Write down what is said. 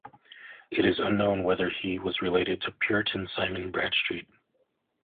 It is unknown whether he was related to Puritan Simon Bradstreet.